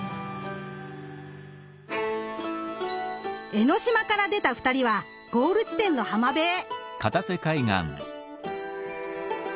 江の島から出た二人はゴール地点の浜辺へ。